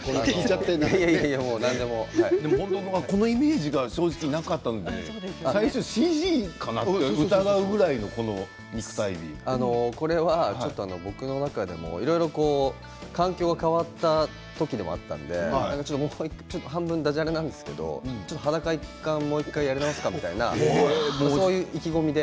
このイメージがなかったので最初、ＣＧかなと疑うくらいこれは僕の中でもいろいろ環境が変わった時でもあったので半分だじゃれなんですけれど裸一貫もう１回やり直すかみたいなそういう意気込みで。